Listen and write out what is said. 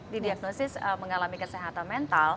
didiagnosis mengalami kesehatan mental